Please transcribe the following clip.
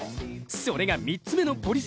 それが３つ目のポリス